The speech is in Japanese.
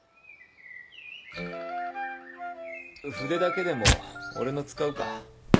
筆だけでも俺の使うか？